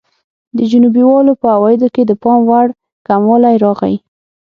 د جنوبي والو په عوایدو کې د پاموړ کموالی راغی.